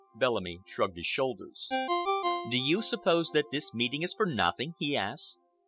Bellamy shrugged his shoulders. "Do you suppose that this meeting is for nothing?" he asked.